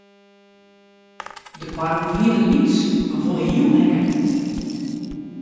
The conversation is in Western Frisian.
De parren wienen lyts mar wol heel lekker.